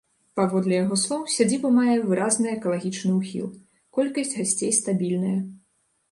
Паводле яго слоў, сядзіба мае выразны экалагічны ўхіл, колькасць гасцей стабільная.